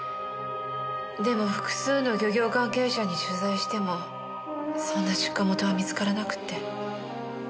でも複数の漁業関係者に取材してもそんな出荷元は見つからなくって。